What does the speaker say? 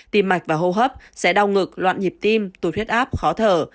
tim mạch và hô hấp sẽ đau ngực loạn nhịp tim tụt huyết áp khó thở